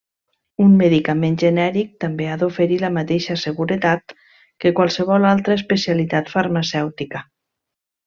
Un medicament genèric també ha d'oferir la mateixa seguretat que qualsevol altra especialitat farmacèutica.